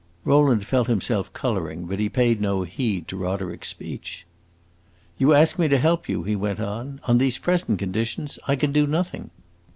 Rowland felt himself coloring, but he paid no heed to Roderick's speech. "You ask me to help you," he went on. "On these present conditions I can do nothing.